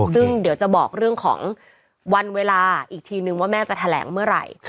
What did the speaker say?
ซึ่งเดี๋ยวจะบอกเรื่องของวันเวลาอีกทีนึงว่าแม่จะแถลงเมื่อไหร่